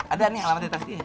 ada nih alamatnya tas dia